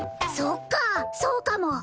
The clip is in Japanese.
そっかそうかも。